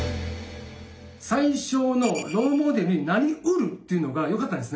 最初の「ロールモデルになりうる」っていうのがよかったんですね。